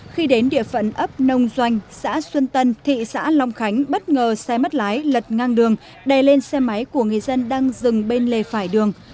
khi đến địa phận ấp nông doanh xã xuân tân thị xã long khánh bất ngờ xe mất lái lật ngang đường đè lên xe máy của người dân đang dừng bên lề phải đường